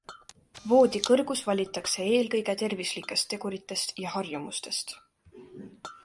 Voodi kõrgus valitakse eelkõige tervislikest teguritest ja harjumustest.